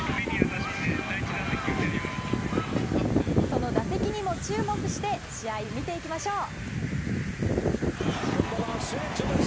その打席にも注目して試合を見ていきましょう。